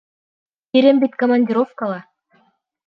Ирем бит командировкала.